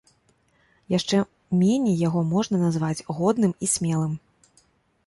Яшчэ меней яго можна назваць годным і смелым.